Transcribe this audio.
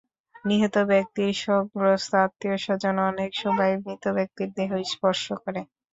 নিহত ব্যক্তির শোকগ্রস্ত আত্মীয়স্বজন অনেক সময় মৃত ব্যক্তির দেহ স্পর্শ করে।